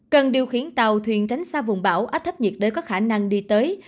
cần điều khiển tàu thuyền tránh xa vùng bão áp thấp nhiệt đới có khả năng đi tới